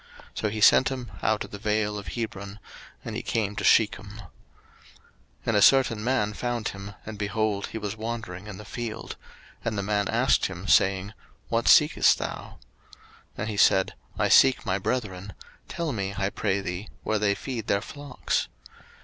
So he sent him out of the vale of Hebron, and he came to Shechem. 01:037:015 And a certain man found him, and, behold, he was wandering in the field: and the man asked him, saying, What seekest thou? 01:037:016 And he said, I seek my brethren: tell me, I pray thee, where they feed their flocks.